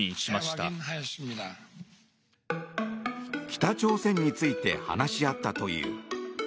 北朝鮮について話し合ったという。